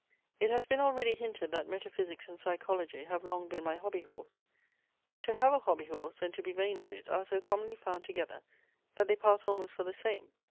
It has been already hinted, that metaphysics and psychology have long been my hobby horse. But to have a hobby horse, and to be vain of it, are so commonly found together, that they pass almost for the same.